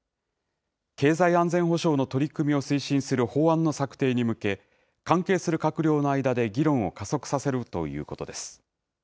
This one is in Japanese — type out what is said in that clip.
経済安全保障の取り組みを推進する法案の策定に向け、関係する閣僚の間で議論を加速させるということです。